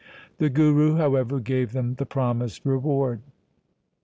The Guru, however, gave them the promised reward.